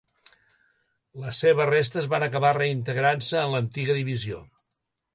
Les seves restes van acabar reintegrant-se en l'antiga divisió.